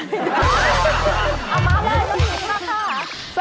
เอามาไว้น้องนิงนะคะ